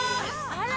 あら！